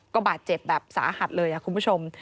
ก็บาดเจ็บแบบสาหัสเลยคุณผู้ชม